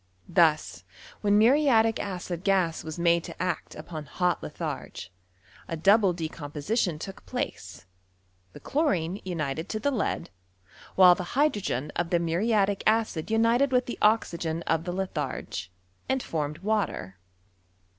Thus, when muriatic acid gas was maite to act lapoa hot litharge, a double decomposition took fteoe, liie chlorine united to the lead, while the hy dvocen of the muriatic acid united with the oxygen af rae lithar^, and formed water.